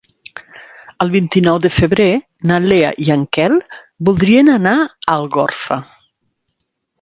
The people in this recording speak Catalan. El vint-i-nou de febrer na Lea i en Quel voldrien anar a Algorfa.